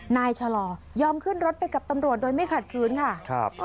นายชะลอยอมขึ้นรถไปกับตำรวจโดยไม่ขัดคืนค่ะครับ